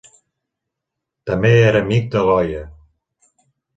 També era amic de Goya.